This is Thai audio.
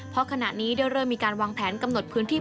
เพราะขณะนี้ได้เริ่มมีการวางแผนกำหนดพื้นที่